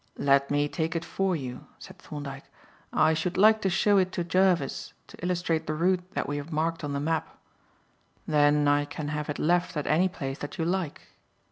"Let me take it for you," said Thorndyke. "I should like to show it to Jervis to illustrate the route that we have marked on the map. Then I can have it left at any place that you like."